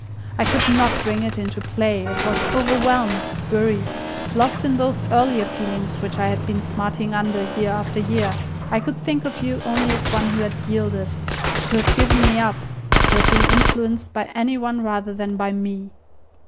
I could not bring it into play; it was overwhelmed, buried, lost in those earlier feelings which I had been smarting under year after year. I could think of you only as one who had yielded, who had given me up, who had been influenced by any one rather than by me.